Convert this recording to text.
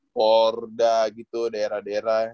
porda gitu daerah daerah yang kayak gitu ya